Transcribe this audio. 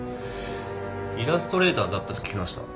イラストレーターだったと聞きました。